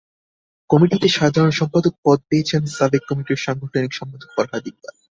কমিটিতে সাধারণ সম্পাদক পদ পেয়েছেন সাবেক কমিটির সাংগঠনিক সম্পাদক ফরহাদ ইকবাল।